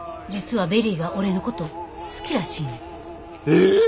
「実はベリーが俺のこと好きらしいねん」。